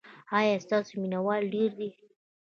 ایا ستاسو مینه وال ډیر دي؟